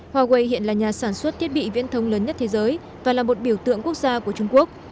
huawei hiện là nhà sản xuất thiết bị viễn thông lớn nhất thế giới và là một biểu tượng quốc gia của trung quốc